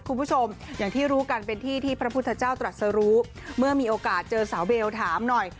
คุณผู้ชมอย่างที่รู้กันเป็นที่ที่พระพุทธเจ้าตรัสรู้เมื่อมีโอกาสเจอสาวเบลถามหน่อย